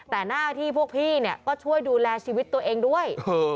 แต่หน้าที่พวกพี่เนี่ยก็ช่วยดูแลชีวิตตัวเองด้วย